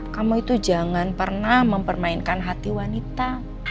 kamu itu jangan pernah mempermainkan hati wanita